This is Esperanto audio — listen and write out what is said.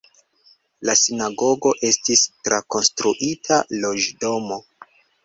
La sinagogo estis trakonstruita loĝdomo.